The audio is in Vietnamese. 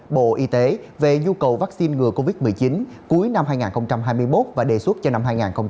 bộ y tế về nhu cầu vaccine ngừa covid một mươi chín cuối năm hai nghìn hai mươi một và đề xuất cho năm hai nghìn hai mươi